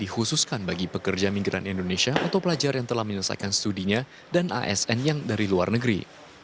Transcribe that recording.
dihususkan bagi pekerja migran indonesia atau pelajar yang telah menyelesaikan studinya dan asn yang dari luar negeri